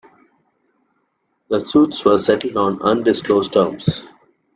The suits were settled on undisclosed terms.